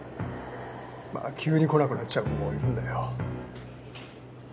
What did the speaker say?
まぁ急に来なくなっちゃう子もいるんだよ。